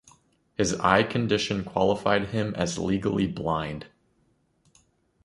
His eye condition qualified him as legally blind.